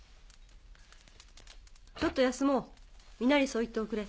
ちょっと休もう皆にそう言っておくれ。